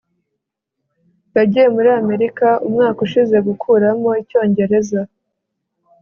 yagiye muri amerika umwaka ushize gukuramo icyongereza